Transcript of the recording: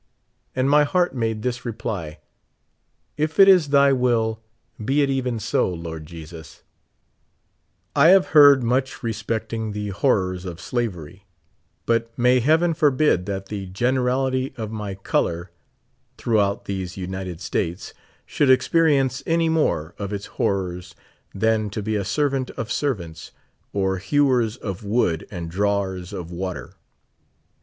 And my heart made this reply : "If it is Thy will, be it even so, Lord Jesus !" I have heard much respecting the horrors of slavery ; Init may heaven forbid that the generality of my color tliroughout these United States should experience any more of its horrors than to be a servant of servants, or hewers of wood and drawers of water